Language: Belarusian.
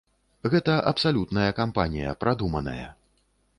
Гэта абсалютная кампанія, прадуманая.